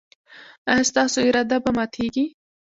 ایا ستاسو اراده به ماتیږي؟